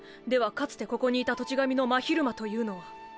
かつてここにいた土地神の真昼間というのは。